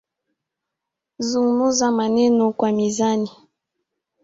"Zungumza maneno kwa mizani"